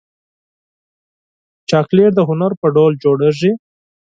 چاکلېټ د هنر په ډول جوړېږي.